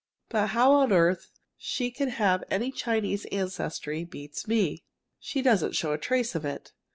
But how on earth she can have any Chinese ancestry, beats me. She doesn't show a trace of it.